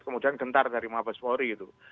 kemudian gentar dari mahfaz fowri